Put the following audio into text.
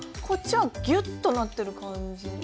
こっちはギュッとなってる感じ。